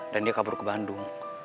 dan dia kabur ke bandung